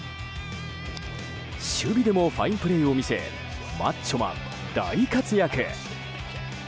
守備でもファインプレーを見せマッチョマン大活躍！